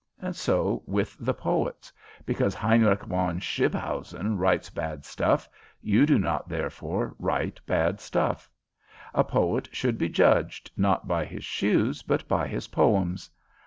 So with the poets. Because Heinrich von Scribbhausen writes bad stuff, you do not therefore write bad stuff. A poet should be judged, not by his shoes, but by his poems.